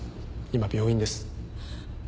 今病院です。